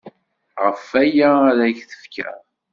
Ɣef waya ara ak-t-fkeɣ.